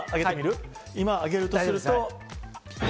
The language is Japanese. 今、挙げるとすると？